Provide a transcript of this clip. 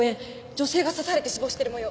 女性が刺されて死亡している模様。